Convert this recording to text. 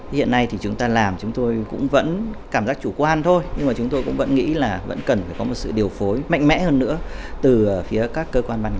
hiện nay thì chúng ta làm chúng tôi cũng vẫn cảm giác chủ quan thôi nhưng mà chúng tôi cũng vẫn nghĩ là vẫn cần phải có một sự điều phối mạnh mẽ hơn nữa từ phía các cơ quan ban ngành